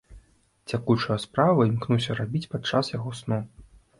Цякучыя справы імкнуся рабіць падчас яго сну.